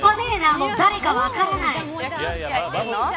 もう誰か分からない。